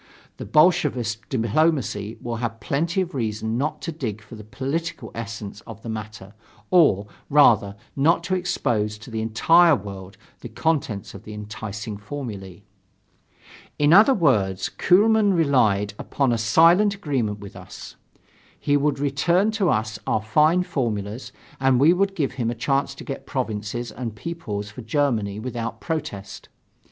The Bolshevist diplomacy will have plenty of reason not to dig for the political essence of the matter, or, rather, not to expose to the entire world the contents of the enticing formulae.... In other words, Kuehlmann relied upon a silent agreement with us. He would return to us our fine formulas and we should give him a chance to get provinces and peoples for Germany without a protest.